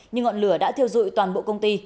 nhưng ngọn lửa đã thiêu dụi toàn bộ công ty